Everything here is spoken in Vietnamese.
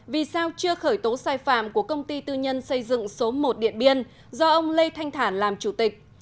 vì sao chưa khởi tố sai phạm của công ty tư nhân xây dựng số một điện biên do ông lê thanh thản làm chủ tịch